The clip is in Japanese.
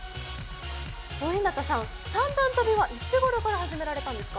大日向さん、三段跳びはいつごろから始められたんですか？